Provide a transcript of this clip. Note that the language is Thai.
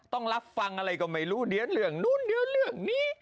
ต้องรับฟังอะไรก็ไม่รู้เดี๋ยวเรื่องนู้นเดี๋ยวเรื่องนี้